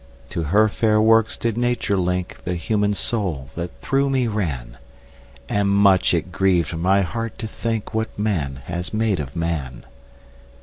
To her fair works did Nature link The human soul that through me ran; And much it grieved my heart to think What man has made of man.